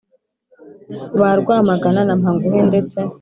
Ba rwamagana na mpanguhe ndetse